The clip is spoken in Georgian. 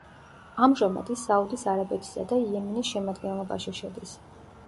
ამჟამად ის საუდის არაბეთისა და იემენის შემადგენლობაში შედის.